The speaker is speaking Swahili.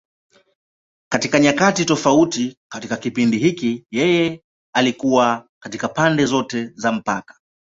Katika nyakati tofauti katika kipindi hiki, yeye ilikuwa iko katika pande zote za mpaka.